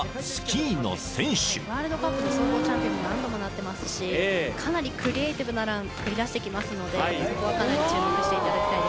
ワールドカップの総合チャンピオンに何度もなってますしかなりクリエーティブなラン繰り出してきますのでそこはかなり注目していただきたいです。